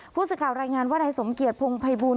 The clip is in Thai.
ผู้สื่อข่าวรายงานว่านายสมเกียจพงภัยบูล